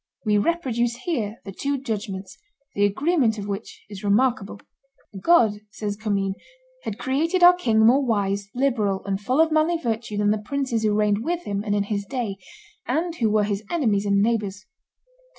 We reproduce here the two judgments, the agreement of which is remarkable: "God," says Commynes, "had created our king more wise, liberal, and full of manly virtue than the princes who reigned with him and in his day, and who were his enemies and neighbors.